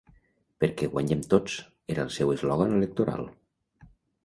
“Perquè guanyem tots”, era el seu eslògan electoral.